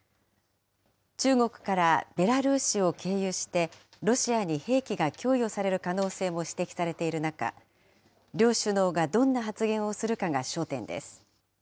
中国からベラルーシを経由して、ロシアに兵器が供与される可能性も指摘されている中、両首脳がどんな発言をするかが焦点です。